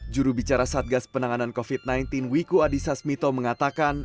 jurubicara satgas penanganan covid sembilan belas wiku adhisa smito mengatakan